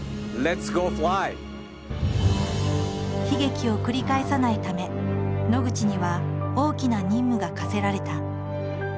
悲劇を繰り返さないため野口には大きな任務が課せられた。